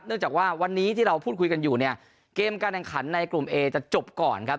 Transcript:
จากว่าวันนี้ที่เราพูดคุยกันอยู่เนี่ยเกมการแข่งขันในกลุ่มเอจะจบก่อนครับ